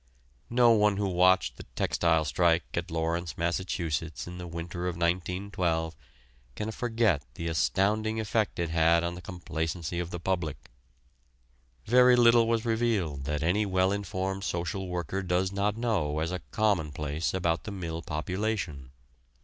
No one who watched the textile strike at Lawrence, Massachusetts, in the winter of 1912 can forget the astounding effect it had on the complacency of the public. Very little was revealed that any well informed social worker does not know as a commonplace about the mill population.